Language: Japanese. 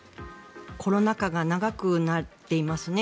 コロナ禍が長くなっていますね。